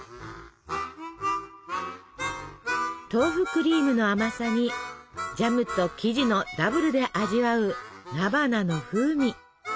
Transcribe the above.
豆腐クリームの甘さにジャムと生地のダブルで味わう菜花の風味。